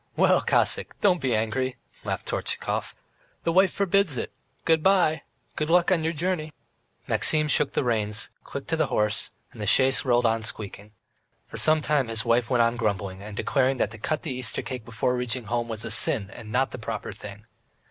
"Well, Cossack, don't be angry," laughed Tortchakov. "The wife forbids it! Good bye. Good luck on your journey!" Maxim shook the reins, clicked to his horse, and the chaise rolled on squeaking. For some time his wife went on grumbling, and declaring that to cut the Easter cake before reaching home was a sin and not the proper thing.